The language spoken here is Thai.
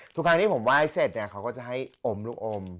ทุกครั้งที่ผมไหว้เสร็จเนี่ยเขาก็จะให้อมลูกอม